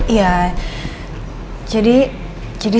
iya jadi jadi